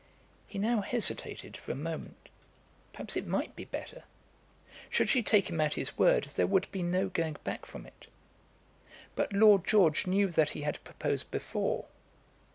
He now hesitated for a moment. Perhaps it might be better. Should she take him at his word there would be no going back from it. But Lord George knew that he had proposed before.